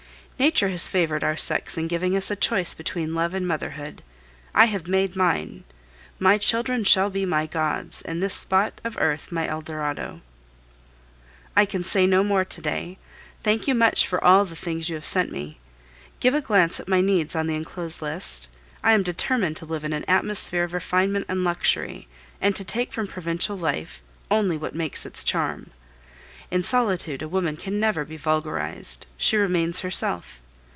Nature has favored our sex in giving us a choice between love and motherhood. I have made mine. My children shall be my gods, and this spot of earth my Eldorado. I can say no more to day. Thank you much for all the things you have sent me. Give a glance at my needs on the enclosed list. I am determined to live in an atmosphere of refinement and luxury, and to take from provincial life only what makes its charm. In solitude a woman can never be vulgarized she remains herself.